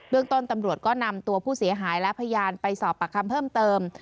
เรื่องต้นตำรวจก็นำตัวผู้เสียหายและพยานไปสอบปากคำเพิ่มเติม